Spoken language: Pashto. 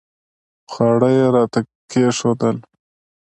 خواړه یې راته کښېښودل.